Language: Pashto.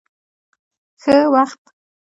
ښه وخت.